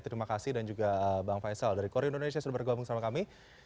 terima kasih dan juga bang faisal dari kori indonesia sudah bergabung sama kami